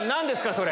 それ。